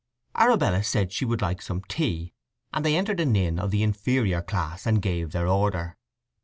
Arabella said she would like some tea, and they entered an inn of an inferior class, and gave their order.